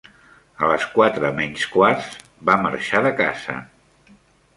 A les quatre menys quarts va marxar de casa.